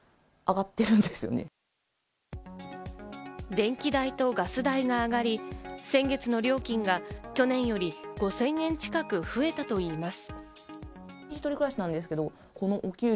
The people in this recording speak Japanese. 電気代とガス代が上がり、先月の料金が去年より５０００円近く増えたといいます。